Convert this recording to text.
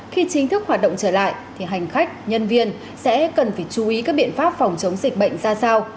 khi chính thức hoạt động trở lại thì hành khách nhân viên sẽ cần phải chú ý các biện pháp phòng chống dịch bệnh ra sao